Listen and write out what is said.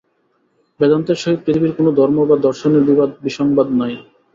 বেদান্তের সহিত পৃথিবীর কোন ধর্ম বা দর্শনের বিবাদ-বিসংবাদ নাই।